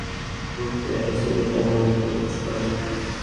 বন্দুকধারী Omar Mateen হামলার শেষ মুহূর্তে আইএসের প্রতি আনুগত্য প্রকাশ করেন।